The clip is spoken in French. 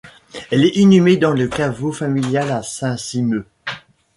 Elle est inhumée dans le caveau familial à Saint-Simeux.